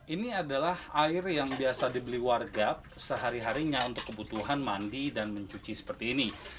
ini adalah air yang biasa dibeli warga sehari harinya untuk kebutuhan mandi dan mencuci seperti ini